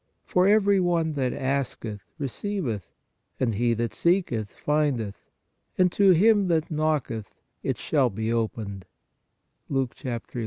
For every one that asketh, receiveth ; and he that seeketh, findeth ; and to him that knocketh it shall be opened" (Luke n.